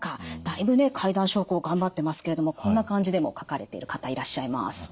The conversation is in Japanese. だいぶね階段昇降頑張ってますけれどもこんな感じでも書かれている方いらっしゃいます。